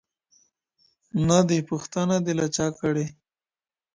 نه دي پوښتنه ده له چا کړې